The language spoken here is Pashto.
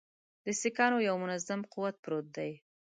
د سیکهانو یو منظم قوت پروت دی.